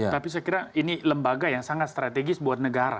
tapi saya kira ini lembaga yang sangat strategis buat negara